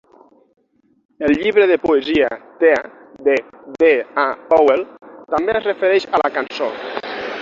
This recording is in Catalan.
El llibre de poesia "TEA" de D. A. Powell també es refereix a la cançó.